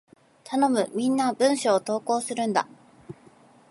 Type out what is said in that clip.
頼む！みんな文章を投稿するんだ！